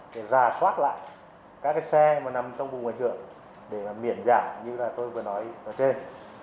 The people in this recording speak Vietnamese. để rà soát lại các xe nằm trong vùng ngoại trưởng để miễn giảm như tôi vừa nói ở trên